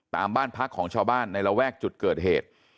บ้านพักของชาวบ้านในระแวกจุดเกิดเหตุ